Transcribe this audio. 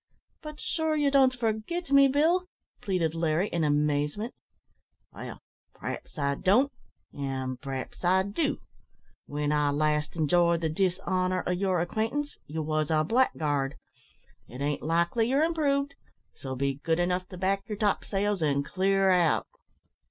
"But sure ye don't forgit me, Bill!" pleaded Larry, in amazement. "Well, p'r'aps I don't, an' p'r'aps I do. W'en I last enjoyed the dishonour o' yer acquaintance, ye wos a blackguard. It ain't likely yer improved, so be good enough to back yer top sails, and clear out."